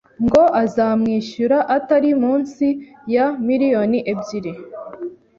ngo azamwishyura atari munsi ya miliyoni ebyiri